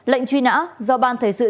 lệnh truy nã do ban thầy sự